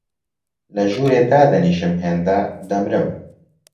لە ژوورێ دادەنیشم هێندە، دەمرم